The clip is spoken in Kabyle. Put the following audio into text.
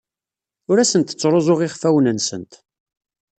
Ur asent-ttruẓuɣ iɣfawen-nsent.